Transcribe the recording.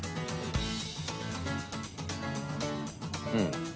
うん！